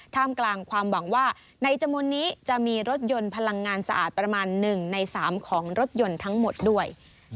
ท่ามกลางความหวังว่าในจำนวนนี้จะมีรถยนต์พลังงานสะอาดประมาณ๑ใน๓ของรถยนต์ทั้งหมดด้วย